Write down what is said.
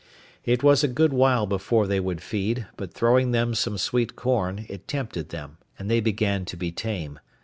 It was a good while before they would feed; but throwing them some sweet corn, it tempted them, and they began to be tame.